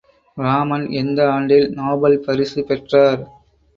இராமன் எந்த ஆண்டில் நோபல் பரிசு பெற்றார்?